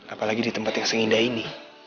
apalagi di tempat yang seindah ini